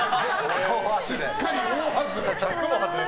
しっかり大外れ。